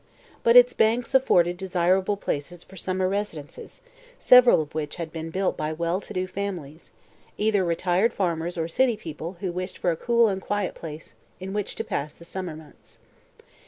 But its banks afforded desirable places for summer residences, several of which had been built by well to do families, either retired farmers or city people who wished for a cool and quiet place in which to pass the summer months.